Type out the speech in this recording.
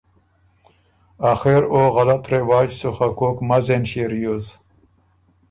آخر او غلط رواج سُو خه کوک مزېن ݭيې ریوز۔